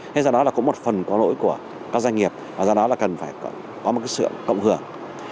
thế do đó là có một phần có lỗi của các doanh nghiệp và do đó là cần phải có một sự cộng hưởng